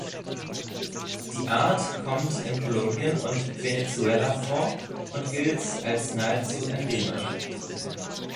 Die Art kommt in Kolumbien und Venezuela vor und gilt als nahezu endemisch.